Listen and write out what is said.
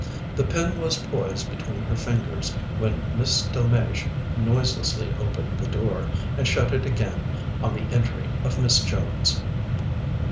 The pen was poised between her fingers when Miss Delmege noiselessly opened the door, and shut it again on the entry of Miss Jones.